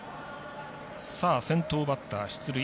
先頭バッター出塁。